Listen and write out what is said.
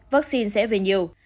vaccine sẽ về nhiều